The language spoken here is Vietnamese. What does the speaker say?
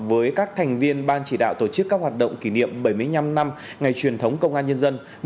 với các thành viên ban chỉ đạo tổ chức các hoạt động kỷ niệm bảy mươi năm năm ngày truyền thống công an nhân dân